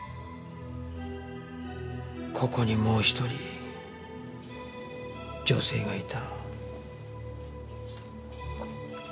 ここにもう１人女性がいた。